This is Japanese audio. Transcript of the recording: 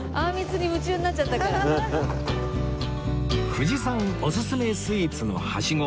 藤さんおすすめスイーツのはしご